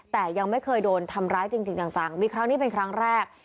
แต่ยังไม่เคยโดนทำร้ายจริงจังมีครั้งนี้เป็นครั้งแรก